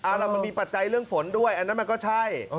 แล้วมันมีปัจจัยเรื่องฝนด้วยอันนั้นมันก็ใช่